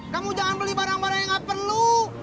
kamu jangan beli barang barang yang nggak perlu